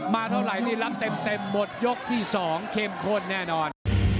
มาเท่าไหร่ลิลำเต็มหมดยกที่สองเค็มข้นแน่นอน